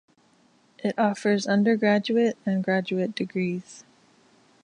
It offers undergraduate and graduate degrees.